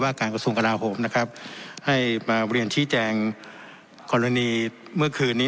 ว่าการกระทรวงกระดาษห่วงนะครับให้มาเรียนชี้แจงคอนโลนีเมื่อคืนนี้